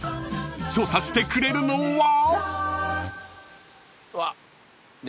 ［調査してくれるのは］